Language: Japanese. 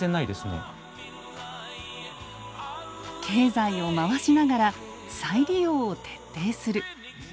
経済を回しながら再利用を徹底する。